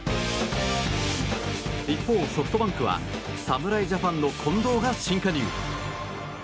一方、ソフトバンクは侍ジャパンの近藤が新加入。